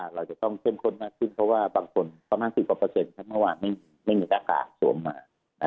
เพราะว่าบางคนประมาณสิบกว่าเปอร์เซ็นต์ทั้งเมื่อวานไม่มีหน้ากากสวมมา